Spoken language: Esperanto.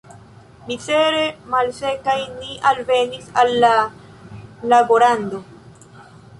Mizere malsekaj ni alvenis al la lagorando.